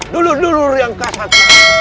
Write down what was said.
dulur dulur yang kasat